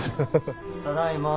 ただいま。